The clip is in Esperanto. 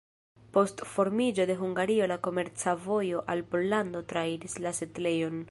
Post formiĝo de Hungario la komerca vojo al Pollando trairis la setlejon.